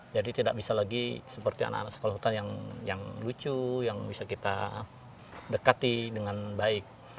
jadi tidak bisa lagi seperti anak anak sekolah utan yang lucu yang bisa kita dekati dengan baik